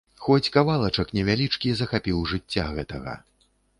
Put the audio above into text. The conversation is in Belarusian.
Хоць кавалачак невялічкі захапіў жыцця гэтага.